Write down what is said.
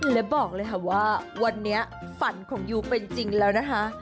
และบอกเลยค่ะว่าวันนี้ฝันของยูเป็นจริงแล้วนะคะ